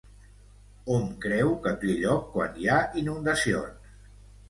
Hom creu que té lloc quan hi ha inundacions.